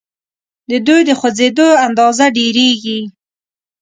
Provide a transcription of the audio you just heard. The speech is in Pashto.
د دوی د خوځیدو اندازه ډیریږي.